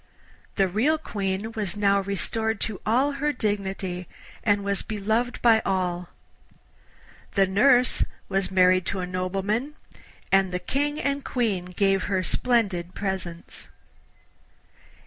The real Queen was now restored to all her dignity, and was beloved by all. The nurse was married to a nobleman, and the King and Queen gave her splendid presents.